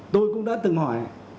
tôi cũng đã từng hỏi